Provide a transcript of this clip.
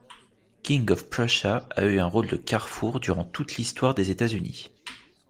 King of Prussia a eu un rôle de carrefour durant toute l'histoire des États-Unis.